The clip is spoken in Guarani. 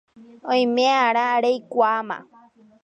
Oime'arã reikuaáma